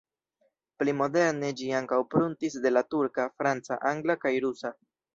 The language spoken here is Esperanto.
Pli moderne ĝi ankaŭ pruntis de la turka, franca, angla kaj rusa.